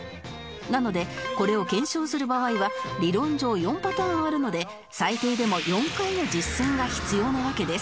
なのでこれを検証する場合は理論上４パターンあるので最低でも４回の実践が必要なわけです